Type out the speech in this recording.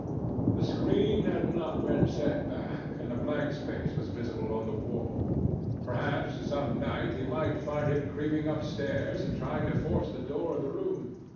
The screen had not been set back, and a blank space was visible on the wall. Perhaps some night he might find him creeping upstairs and trying to force the door of the room.